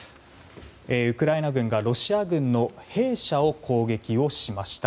ウクライナ軍がロシア軍の兵舎を攻撃しました。